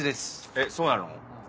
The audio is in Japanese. えっそうなの？